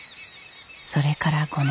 それから５年。